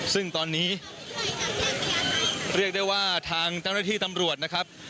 ซึ่งตอนนี้เรียกได้ว่าทางเจ้าหน้าที่ตำรวจนะครับ